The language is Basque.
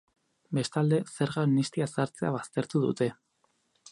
Bestalde, zerga amnistia ezartzea baztertu dute.